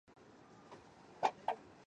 We were thinking of buying some new curtains.